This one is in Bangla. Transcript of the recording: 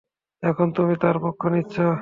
এখন তুমি তার পক্ষ নিচ্ছো?